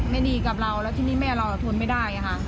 ไม่ดีกับเราแล้วทีนี้แม่เราทนไม่ได้ค่ะ